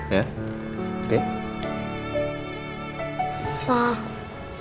aku gak usah ke sekolah deh